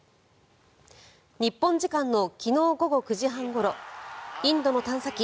日本時間の昨日午後９時半ごろインドの探査機